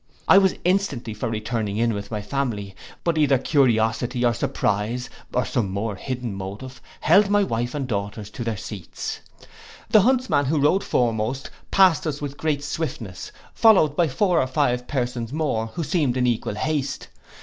I was instantly for returning in with my family; but either curiosity or surprize, or some more hidden motive, held my wife and daughters to their seats. The huntsman, who rode foremost, past us with great swiftness, followed by four or five persons more, who seemed in equal haste.